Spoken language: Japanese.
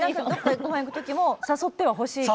ごはん行く時も誘ってほしいんですか。